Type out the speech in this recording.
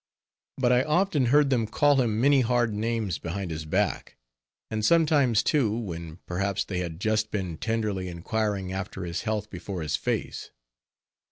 But I often heard them call him many hard names behind his back; and sometimes, too, when, perhaps, they had just been tenderly inquiring after his health before his face.